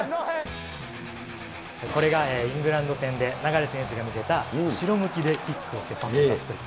これがイングランド戦で、流選手が見せた後ろ向きでキックをしてパスを出すという。